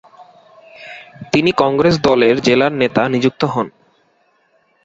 তিনি কংগ্রেস দলের জেলার নেতা নিযুক্ত হন।